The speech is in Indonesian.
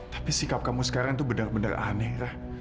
tapi sikap kamu sekarang tuh bener bener aneh ra